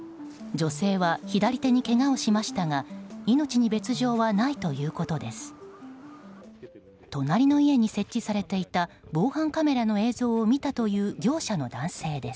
女性は左手にけがをしましたが命に別条はないということです。